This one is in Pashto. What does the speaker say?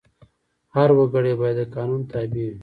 هر وګړی باید د قانون تابع وي.